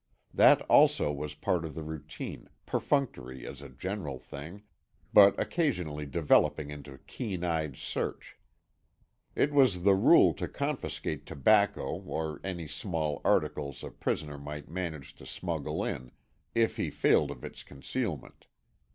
That also was part of the routine, perfunctory, as a general thing, but occasionally developing into keen eyed search. It was the rule to confiscate tobacco or any small articles a prisoner might manage to smuggle in, if he failed of its concealment.